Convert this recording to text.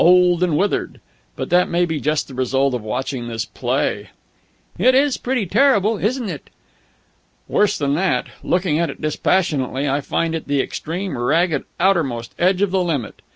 Old and withered. But that may be just the result of watching this play." "It is pretty terrible, isn't it?" "Worse than that. Looking at it dispassionately, I find it the extreme, ragged, outermost edge of the limit.